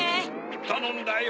たのんだよ。